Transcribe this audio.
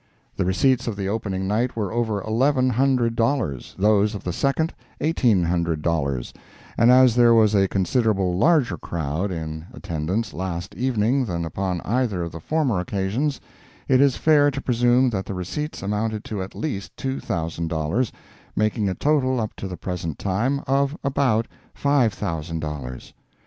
The receipts of the opening night were over eleven hundred dollars, those of the second, eighteen hundred dollars, and as there was a considerable larger crowd in attendance last evening than upon either of the former occasions, it is fair to presume that the receipts amounted to at least two thousand dollars—making a total, up to the present time, of about five thousand dollars.